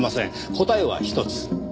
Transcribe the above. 答えは一つ。